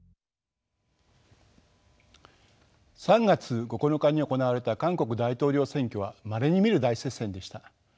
３月９日に行われた韓国大統領選挙はまれに見る大接戦でした。